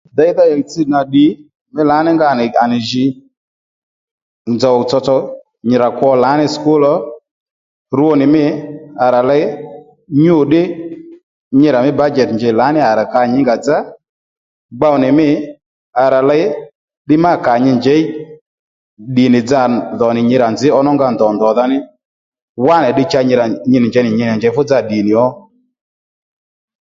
Ndey ngá ɦìytss nà ddì mí lǎní nga nì à nì jǐ nzǒw tsotso nyi rà kwo lǎní sùkúl ò rwo nì mî à rà ley nyû ddí nyi rà mí bǎjèt njèy lǎní à rà ka nyǐ ngà dzá gbow nì mî à rà ley ddiy má à kà nyi njěy ddì nì nza dhò nì nyi rà nzǐ ǒnó nga ndò ndòdha ní wánì ddiy cha nyi nì njěy nì nyi rà njèy dza ddì nì ó